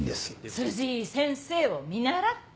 辻井先生を見習って。